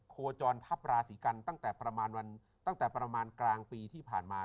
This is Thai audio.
โคจรทัพราศีกันตั้งแต่ประมาณวันตั้งแต่ประมาณกลางปีที่ผ่านมา